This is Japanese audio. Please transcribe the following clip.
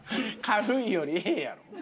軽いよりええやん。